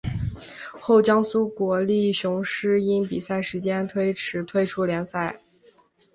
后江苏国立雄狮因比赛时间推迟退出联赛。